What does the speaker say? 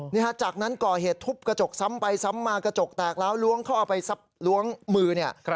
นี่ฮะจากนั้นก่อเหตุทุบกระจกซ้ำไปซ้ำมากระจกแตกแล้วล้วงเขาเอาไปล้วงมือเนี่ย